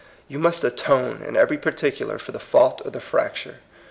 You must " atone " in eyery particu lar for the fault or the fracture.